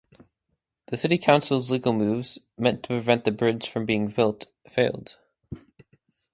The city council's legal moves, meant to prevent the bridge from being built, failed.